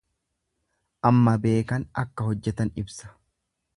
Amma beekan akka hojjetan ibsa.